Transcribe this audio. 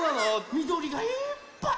みどりがいっぱい。